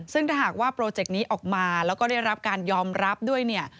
ซึ่งถ้าหากว่าโปรเจกต์นี้ออกมาแล้วก็ได้รับการยอมรับด้วยเนี่ย